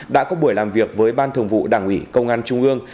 đã có buổi làm việc với ban thường vụ đảng ủy công an trung ương